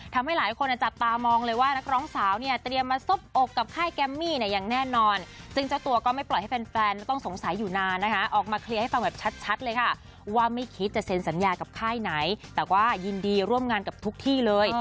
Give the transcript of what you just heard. ทำให้หลายคนจับตามองเลยว่านักร้องสาวเนี่ยเตรียมมาซบอกกับค่ายแกมมี่เนี่ยอย่างแน่นอนซึ่งเจ้าตัวก็ไม่ปล่อยให้แฟนต้องสงสัยอยู่นานนะคะออกมาเคลียร์ให้ฟังแบบชัดเลยค่ะว่าไม่คิดจะเซ็นสัญญากับค่ายไหนแต่ว่ายินดีร่วมงานกับทุกที่เลย